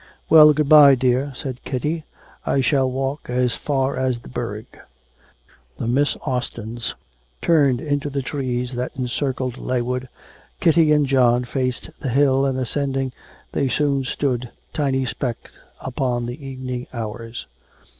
'Well, good bye, dear,' said Kitty, 'I shall walk as far as the burgh.' The Miss Austins turned into the trees that encircled Leywood, Kitty and John faced the hill, and ascending, they soon stood, tiny specks upon the evening hours.